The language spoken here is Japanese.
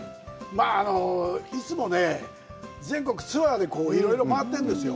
まあ、いつもね、全国ツアーでいろいろ回ってるんですよ。